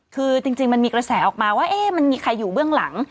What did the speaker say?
คือจริงมันมีกระแสออกมาว่ามันมีใครอยู่เบื้องหลัง